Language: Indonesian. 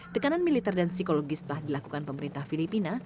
tekanan militer dan psikologis telah dilakukan pemerintah filipina